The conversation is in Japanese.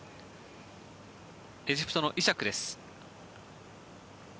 エジプトのイシャックです。